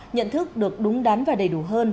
nhận thức được đúng đắn và đầy đủ hơn